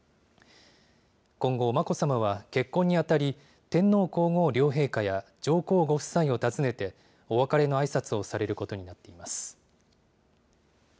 今後、眞子さまは結婚にあたり、天皇皇后両陛下や上皇ご夫妻を訪ねて、お別れのあいさつをされることになっています。